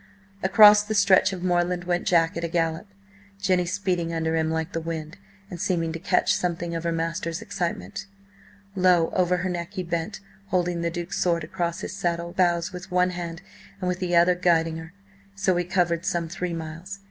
Across the stretch of moorland went Jack at a gallop, Jenny speeding under him like the wind, and seeming to catch something of her master's excitement. Low over her neck he bent, holding the Duke's sword across his saddle bows with one hand and with the other guiding her. So he covered some three miles.